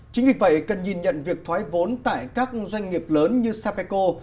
chính vì vậy cần nhìn nhận việc thoái vốn tại các doanh nghiệp lớn như sapeco